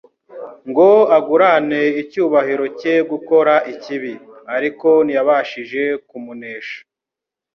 ngo agurane icyubahiro cye gukora ikibi; ariko ntiyabashije kumunesha